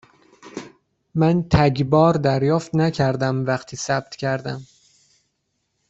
من تگ بار دریافت نکردم وقتی ثبت کردم.